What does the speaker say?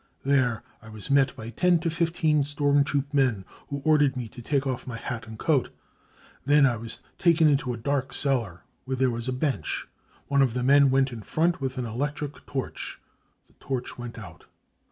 There I was met by ten to fifteen storm troop men, who ordered me to take off my hat and coat. Then I was taken into a dark cellar, where there was a bench ; one of the men went in front with an electric torch. The torch went out.